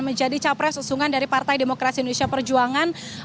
menjadi capres usungan dari partai demokrasi indonesia perjuangan